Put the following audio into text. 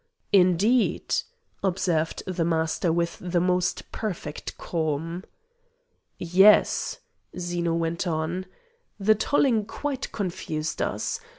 "Indeed," observed the Master with the most perfect calm. "Yes," Zeno went on; "the tolling quite confused us.